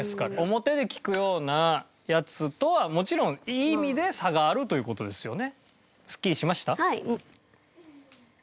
表で聞くようなやつとはもちろんいい意味で差があるという事ですよね。